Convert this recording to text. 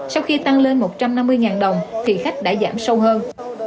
sau khi tăng lên một trăm năm mươi đồng thì khách đã giảm sâu hơn